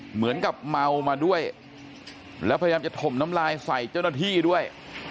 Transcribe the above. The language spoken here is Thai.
เหมือนกับเมามาด้วยแล้วพยายามจะถมน้ำลายใส่เจ้าหน้าที่ด้วย